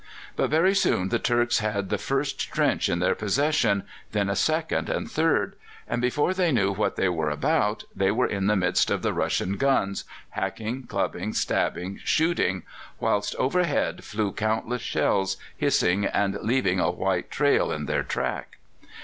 But very soon the Turks had the first trench in their possession, then a second and third; and before they knew what they were about, they were in the midst of the Russian guns, hacking, clubbing, stabbing, shooting, whilst overhead flew countless shells, hissing and leaving a white trail in their track.